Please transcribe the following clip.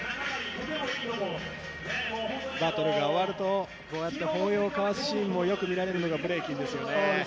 バトルが終わるとこうやって抱擁を交わすシーンが見られるのもブレイキンですね。